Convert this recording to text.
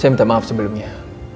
saya minta maaf sebelumnya